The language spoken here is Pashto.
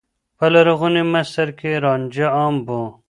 په لرغوني مصر کې رانجه عام و.